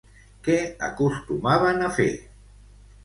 Què acostumaven a fer?